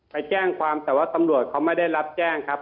ไปแจ้งความแต่ว่าตำรวจเขาไม่ได้รับแจ้งครับ